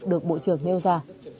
được bộ trưởng nêu ra